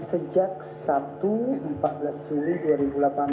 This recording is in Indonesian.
sejak sabtu empat belas juli dua ribu delapan belas